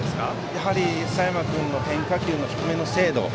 やはり佐山君の変化球の低めの精度。